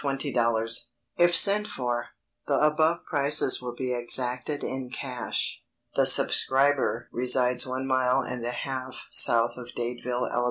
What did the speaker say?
00 If sent for, the above prices will be exacted in cash. The subscriber resides one mile and a half south of Dadeville, Ala.